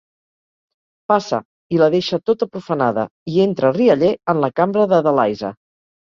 Passa, i la deixa tota profanada... I entra rialler en la cambra d’Adalaisa.